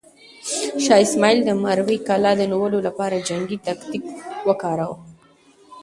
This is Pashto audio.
شاه اسماعیل د مروې کلا د نیولو لپاره جنګي تاکتیک وکاراوه.